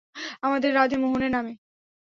আমাদের রাধে মোহনের নামে।